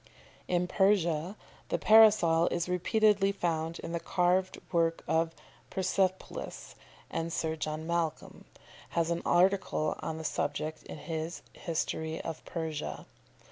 ] In Persia the Parasol is repeatedly found in the carved work of Persepolis, and Sir John Malcolm has an article on the subject in his "History of Persia."